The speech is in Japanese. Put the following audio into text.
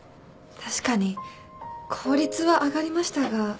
確かに効率は上がりましたが。